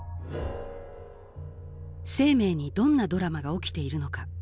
生命にどんなドラマが起きているのか？